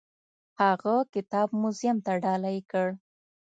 هغه کتاب موزیم ته ډالۍ کړ.